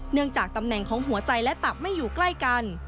เนื่องจากตำแหน่งของหัวใจและตับไม่อยู่ใกล้กัน